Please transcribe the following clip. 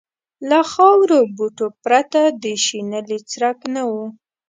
له خارو بوټو پرته د شنیلي څرک نه و.